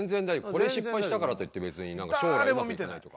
これ失敗したからといってべつにしょうらいうまくいかないとか。